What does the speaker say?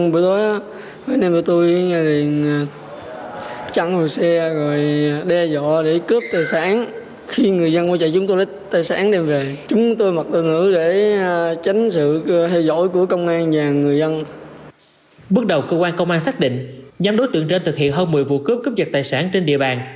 bước đầu cơ quan công an xác định nhóm đối tượng trên thực hiện hơn một mươi vụ cướp cướp giật tài sản trên địa bàn